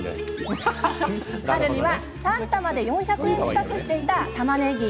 春には３玉で４００円近くしていた、たまねぎ。